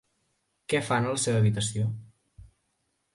Què fan a la seva habitació?